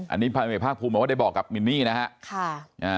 อันนี้ภาคภูมิว่าได้บอกกับมินนี่นะครับ